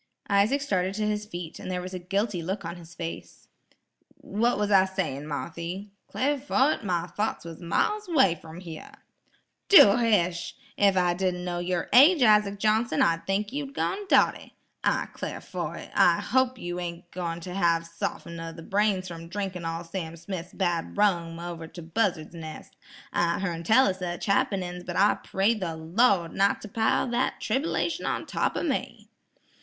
Isaac started to his feet, and there was a guilty look on his face. "What was I sayin', Marthy? 'Clar fo' it, my thoughts was miles 'way from hyar." "Do hish! Ef I didn't kno' yer age, Isaac Johnson, I'd think you gone dotty. I 'clar fo' it, I hope you ain't goin' ter have sof'n o' the brain from drinkin' all Sam Smith's bad rum over to Buzzard's Nes'. I hern tell o' sech happenin's, but I pray the Lawd not to pile that trib'lation on top o' me."